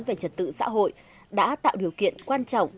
về trật tự xã hội đã tạo điều kiện quan trọng